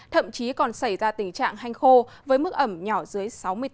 thậm chí còn xảy ra tình trạng hanh khô với mức ẩm nhỏ dưới sáu mươi tám